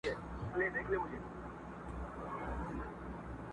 پرېږده په نغمو کي د بېړۍ د ډوبېدو کیسه٫